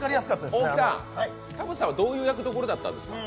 大木さん、田渕さんはどういう役どころだったんですか？